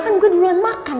kan gue duluan makan